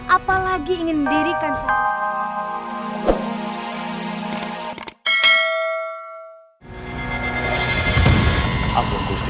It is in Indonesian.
apalagi ingin dirikan